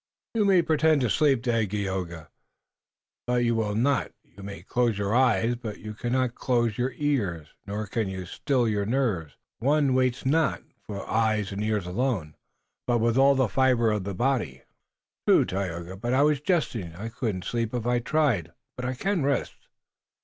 "You may pretend to sleep, Dagaeoga, but you will not. You may close your eyes, but you cannot close your ears, nor can you still your nerves. One waits not with eyes and ears alone, but with all the fiber of the body." "True, Tayoga. I was but jesting. I couldn't sleep if I tried. But I can rest."